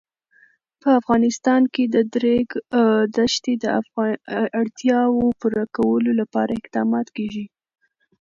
په افغانستان کې د د ریګ دښتې د اړتیاوو پوره کولو لپاره اقدامات کېږي.